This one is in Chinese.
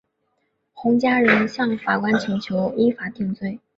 洪家人向法官请求依法定罪。